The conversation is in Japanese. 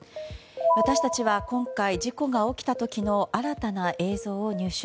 私たちは今回、事故が起きた時の新たな映像を入手。